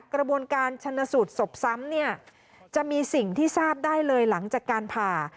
กระบวนการชนสูตรศพซ้ำเนี่ยจะมีสิ่งที่ทราบได้เลยหลังจากการผ่า